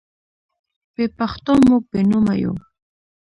بې پښتوه موږ بې نومه یو.